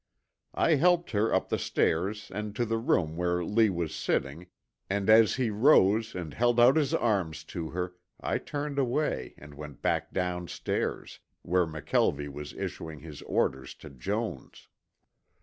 I helped her up the stairs and to the room where Lee was sitting, and as he rose and held out his arms to her I turned away and went back downstairs, where McKelvie was issuing his orders to Jones.